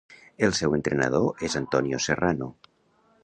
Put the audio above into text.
El seu entrenador és Antonio Serrano.